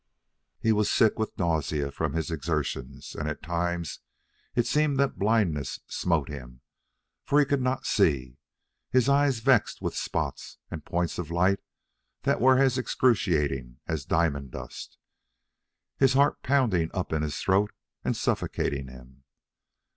He was sick with nausea from his exertions, and at times it seemed that blindness smote him, for he could not see, his eyes vexed with spots and points of light that were as excruciating as diamond dust, his heart pounding up in his throat and suffocating him.